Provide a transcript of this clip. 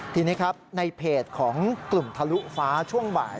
ทีนี้ครับในเพจของกลุ่มทะลุฟ้าช่วงบ่าย